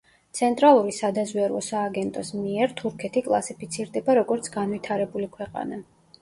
ცენტრალური სადაზვერვო სააგენტოს მიერ, თურქეთი კლასიფიცირდება, როგორც განვითარებული ქვეყანა.